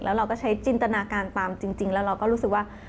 แล้วเราก็ใช้จินตนาการตามจริงแล้วเราก็รู้สึกว่า